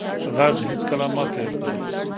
غږ هېڅکله مه پرېږدئ.